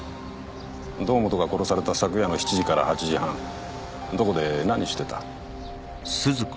堂本が殺された昨夜の７時から８時半どこで何してた？